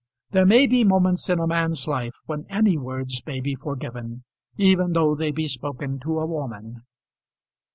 There may be moments in a man's life when any words may be forgiven, even though they be spoken to a woman.